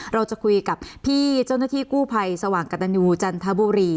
เราจะคุยกับพี่เจ้าหน้าที่กู้ภัยสว่างกระตันยูจันทบุรี